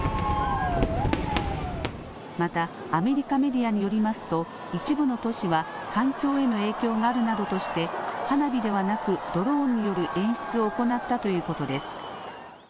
またアメリカメディアによりますと一部の都市は環境への影響があるなどとして花火ではなくドローンによる演出を行ったということです。